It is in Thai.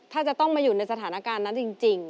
ถ้าจะต้องมาอยู่ในสถานการณ์นั้นจริง